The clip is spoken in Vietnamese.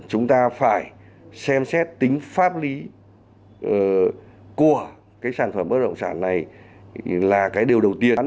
chúng ta phải xem xét tính pháp lý của sản phẩm bất động sản này là điều đầu tiên